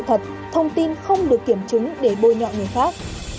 thật thông tin không được kiểm chứng để bôi nhọ người khác